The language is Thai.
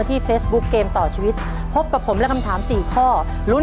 ในเกมต่อชีวิตวันนี้สวัสดีครับ